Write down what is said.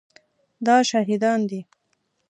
دا شهیدان دي